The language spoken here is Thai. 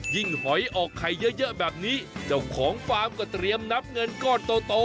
หอยออกไข่เยอะแบบนี้เจ้าของฟาร์มก็เตรียมนับเงินก้อนโต